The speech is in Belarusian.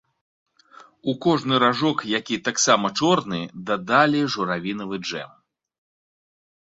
У кожны ражок, які таксама чорны, дадалі журавінавы джэм.